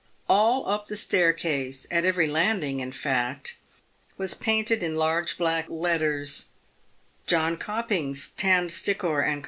All up the staircase — at every landing, in fact, was painted in large black letters, " Jonkopings, Tandstickoe, and Co."